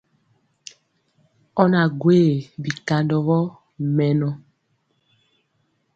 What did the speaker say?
Ɔ na gwee bikandɔ vɔ mɛnɔ.